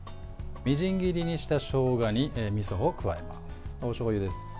みじん切りにしたしょうがにみそを加えます。